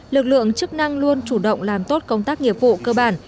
lực lượng chức năng luôn chủ động làm tốt công tác nghiệp vụ cơ bản